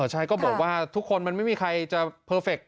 ใช่ก็บอกว่าทุกคนมันไม่มีใครจะเพอร์เฟคต